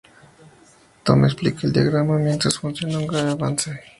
Tom explica el diagrama mientras funciona...un gran avance".